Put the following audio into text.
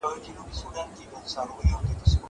زه به اوږده موده کتابتون ته تللي وم.